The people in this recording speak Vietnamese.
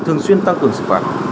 thường xuyên tăng cường sự phạt